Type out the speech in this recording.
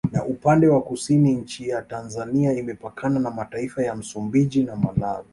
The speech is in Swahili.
Na upande wa Kusini nchi ya Tanzania imepkana na mataifa ya Msumbiji na Malawi